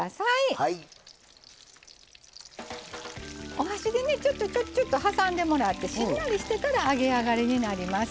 お箸でねちょっちょっちょっと挟んでもらってしんなりしてから揚げ上がりになります。